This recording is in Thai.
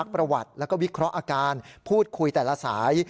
ประวัติแล้วก็วิเคราะห์อาการพูดคุยแต่ละสาย